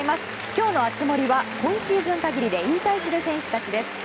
今日の熱盛は、今シーズン限りで引退する選手たちです。